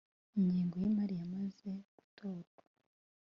ingengo y imari yamaze gutorwa